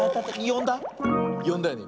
よんだよね？